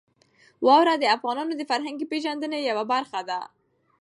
واوره د افغانانو د فرهنګي پیژندنې یوه برخه ده.